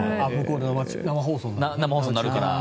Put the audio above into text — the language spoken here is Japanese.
生放送になるから。